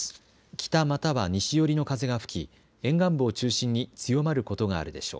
北または西よりの風が吹き沿岸部を中心に強まることがあるでしょう。